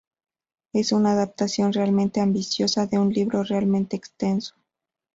Es una adaptación realmente ambiciosa de un libro realmente extenso".